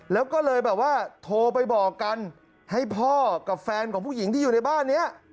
แล้วก็เลยแบบว่าโทรไปบอกกันให้พ่อกับแฟนของผู้หญิงที่อยู่ในบ้านนี้